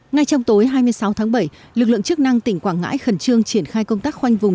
ngay trong tối hai mươi sáu tháng bảy lực lượng chức năng tỉnh quảng ngãi khẩn trương triển khai công tác khoanh vùng